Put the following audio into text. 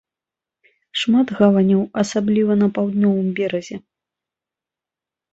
Шмат гаваняў, асабліва на паўднёвым беразе.